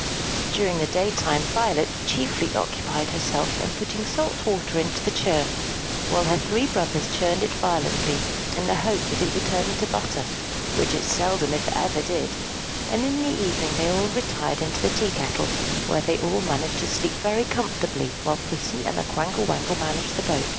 During the daytime, Violet chiefly occupied herself in putting salt water into a churn; while her three brothers churned it violently, in the hope that it would turn into butter, which it seldom if ever did; and in the evening they all retired into the tea kettle, where they all managed to sleep very comfortably, while Pussy and the Quangle Wangle managed the boat.